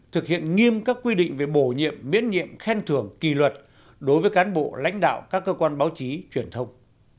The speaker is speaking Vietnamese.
thực hiện nghiêm các quy định về bổ nhiệm miễn nhiệm khen thưởng kỳ luật đối với cán bộ lãnh đạo các cơ quan báo chí truyền thông